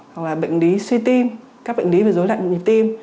hoặc là bệnh lý suy tim các bệnh lý về dối loạn nhịp tim